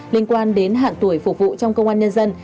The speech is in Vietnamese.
liên quan đến hạn tuổi phục vụ trong công an nhân dân